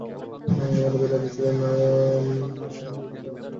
তাদের নেতা ছিলেন নাহশূন ইবন ওমায়না দাব।